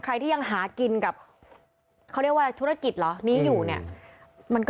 ใครที่ยังหากินกับเขาเรียกว่าอะไรธุรกิจเหรอนี้อยู่เนี่ยมันก็